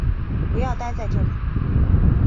不要待在这里